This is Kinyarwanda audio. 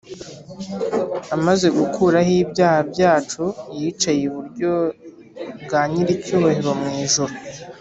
Amaze gukuraho ibyaha byacu yicaye iburyo bwa nyir icyubahiro mu ijuru